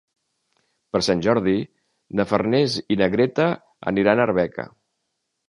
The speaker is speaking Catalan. Per Sant Jordi na Farners i na Greta aniran a Arbeca.